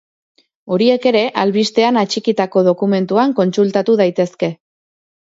Horiek ere albistean atxikitako dokumentuan kontsultatu daitezke.